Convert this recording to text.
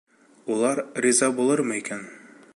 Улар риза булырмы икән?